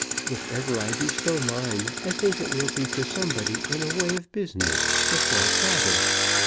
If ever I bestow mine, I think it will be to somebody in a way of business, just like father.